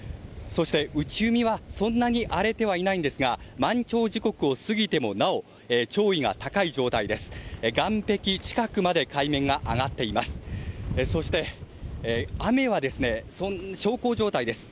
そして内海はそんなに荒れてはいないんですが満潮時刻を過ぎてもなお潮位が高い状態です。